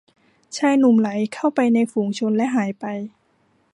ชายหนุ่มไหลเข้าไปในฝูงชนและหายไป